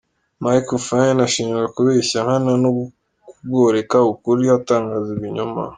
Michael Fynn ashinjwa kubeshya nkana no kugoreka ukuri atangaza ibinyoma.